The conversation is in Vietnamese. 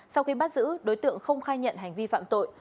sau khi bắt giữ đối tượng không khai nhận hành vi phạm tội